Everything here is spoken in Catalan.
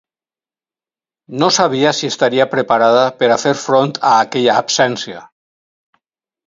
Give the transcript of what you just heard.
No sabia si estaria preparada per a fer front a aquella absència.